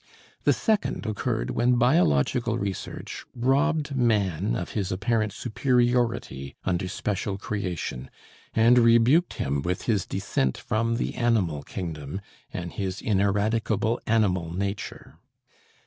The second occurred when biological research robbed man of his apparent superiority under special creation, and rebuked him with his descent from the animal kingdom, and his ineradicable animal nature.